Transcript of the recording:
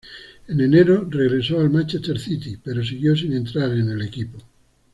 En enero regresó al Manchester City pero siguió sin entrar en el equipo.